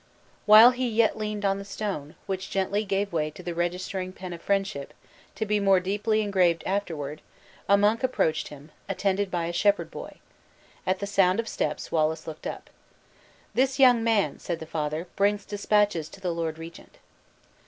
While he yet leaned on the stone, which gently gave way to the registering pen of friendship, to be more deeply engraved afterward, a monk approached him, attended by a shepherd boy. At the sound of steps, Wallace looked up. "This young man," said the father, "brings dispatches to the lord regent."